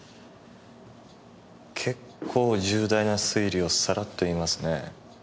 結構重大な推理をサラッと言いますね。